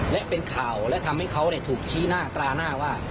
และเป็นข่าวและทำให้เขาถูกชี้หน้าตราหน้าว่า